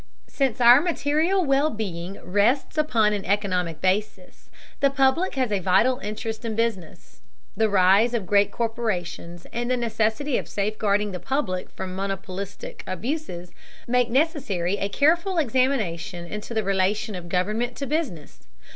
Since our material well being rests upon an economic basis, the public has a vital interest in business. The rise of great corporations and the necessity of safeguarding the public from monopolistic abuses make necessary a careful examination into the relation of government to business.